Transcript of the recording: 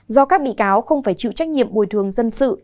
do các bị cáo không phải chịu trách nhiệm bồi thường dân sự